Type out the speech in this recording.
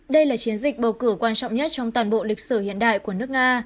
đây là chiến dịch bầu cử quan trọng nhất trong toàn bộ lịch sử hiện đại của nước nga